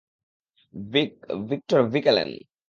ভিক, - Victor Vic এলেন।